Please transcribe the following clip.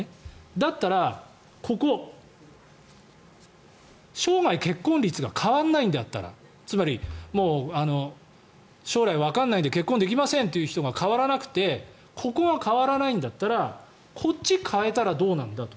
だったら、ここ、生涯結婚率が変わらないんだったらつまり、将来わからないんで結婚できませんという人が変わらなくてここは変わらないんだったらこっちを変えたらどうなんだと。